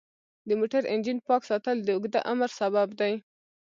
د موټر انجن پاک ساتل د اوږده عمر سبب دی.